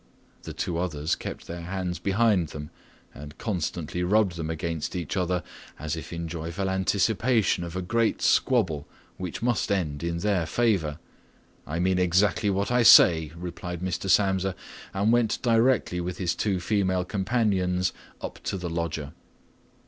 The two others kept their hands behind them and constantly rubbed them against each other, as if in joyful anticipation of a great squabble which must end up in their favour. "I mean exactly what I say," replied Mr. Samsa and went directly with his two female companions up to the lodger.